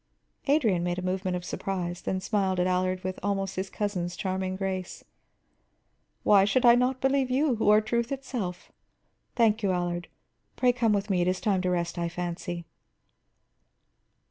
Adrian made a movement of surprise, then smiled at Allard with almost his cousin's charming grace. "Why should I not believe you, who are truth itself? Thank you, Allard. Pray come with me; it is time to rest, I fancy."